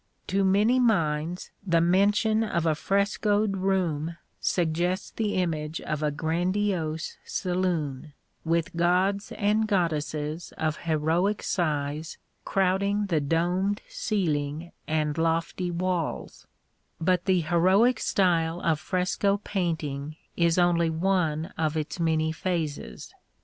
To many minds the mention of a frescoed room suggests the image of a grandiose saloon, with gods and goddesses of heroic size crowding the domed ceiling and lofty walls; but the heroic style of fresco painting is only one of its many phases.